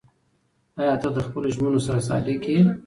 ایا ته د خپلو ژمنو سره صادق یې؟